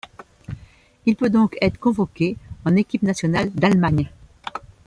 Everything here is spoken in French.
Il peut donc être convoqué en équipe nationale d'Allemagne.